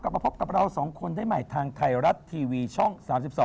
มาพบกับเราสองคนได้ใหม่ทางไทยรัฐทีวีช่อง๓๒